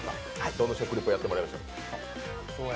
どの食リポやってもらいましょう。